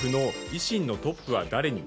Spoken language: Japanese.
維新のトップは誰に？